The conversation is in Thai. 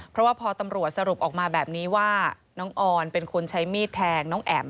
เพราะว่าพอตำรวจสรุปออกมาแบบนี้ว่าน้องออนเป็นคนใช้มีดแทงน้องแอ๋ม